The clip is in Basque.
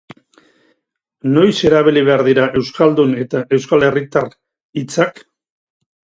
Noiz erabili behar dira euskaldun eta euskal herritar hitzak?